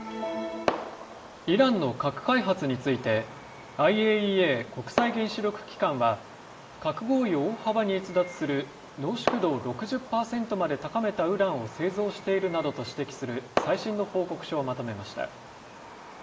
イランの核開発についてＩＡＥＡ・国際原子力機関は核合意を大幅に逸脱する濃縮度を６０％まで高めたウランを製造しているなどと指摘する最新の報告書をまとめました。